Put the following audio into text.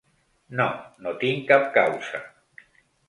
No, no tinc cap causa.